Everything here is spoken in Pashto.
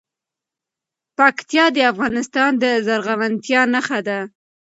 پکتیا د افغانستان د زرغونتیا نښه ده.